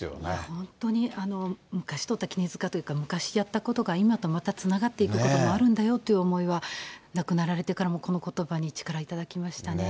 本当に昔取ったきねづかというか、昔やったことが今とまたつながっていくこともあるんだよという思いは、亡くなられてからもこのことばに力頂きましたね。